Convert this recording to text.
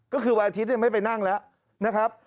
ก็คือวันอาทิตย์ไม่ไปนั่งแล้วนะครับ